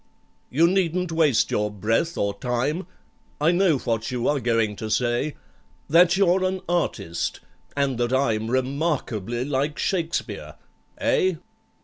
"You needn't waste your breath or time,— I know what you are going to say,— That you're an artist, and that I'm Remarkably like SHAKESPEARE. Eh?